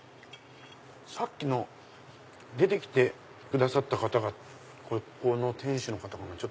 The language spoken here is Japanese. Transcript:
さっきの出て来てくださった方がここの店主の方かな？